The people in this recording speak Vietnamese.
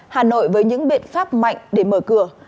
hà nội với những biện pháp mạnh để mở cửa